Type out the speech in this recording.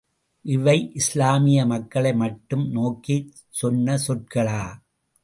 இவை இஸ்லாமிய மக்களை மட்டும் நோக்கிச் சொன்ன சொற்களா?